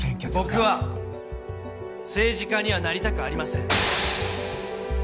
僕は政治家にはなりたくありません！